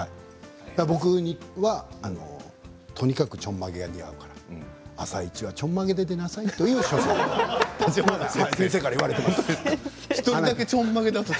僕はとにかくちょんまげが似合うから「あさイチ」はちょんまげで出なさいと先生から言われています。